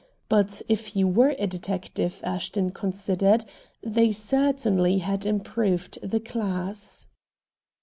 But, if he were a detective, Ashton considered, they certainly had improved the class.